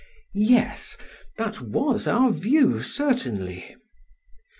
PHAEDRUS: Yes, that was our view, certainly.